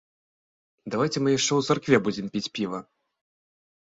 Давайце мы яшчэ ў царкве будзем піць піва?